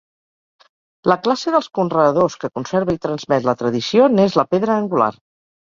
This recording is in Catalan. La classe dels conreadors que conserva i transmet la tradició n'és la pedra angular.